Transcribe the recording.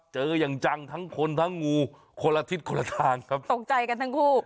อย่างจังทั้งคนทั้งงูคนละทิศคนละทางครับตกใจกันทั้งคู่